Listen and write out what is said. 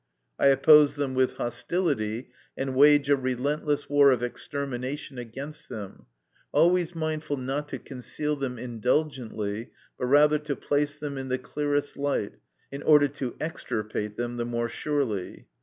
I oppose them with hostility, and wage a relentless war of extermination against them, always mindful not to conceal them indulgently, but rather to place them in the clearest light, in order to extirpate them the more surely.